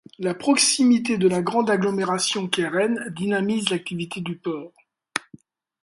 La proximité de la grande agglomération qu'est Rennes dynamise l'activité du port.